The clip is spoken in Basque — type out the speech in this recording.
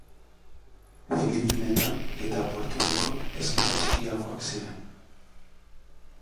Filipinetan eta Puerto Ricon eskala txikiagoak ziren.